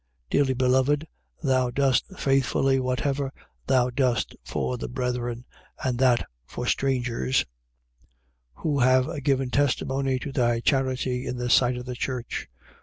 Dearly beloved, thou dost faithfully whatever thou dost for the brethren: and that for strangers, 1:6. Who have given testimony to thy charity in the sight of the church.